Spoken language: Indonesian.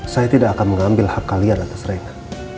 saya tidak akan mengambil hak kalian atas mereka